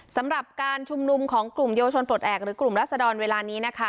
สำหรับการชุมนุมของกลุ่มเยาวชนปลดแอบหรือกลุ่มรัศดรเวลานี้นะคะ